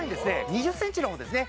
２０ｃｍのほうですね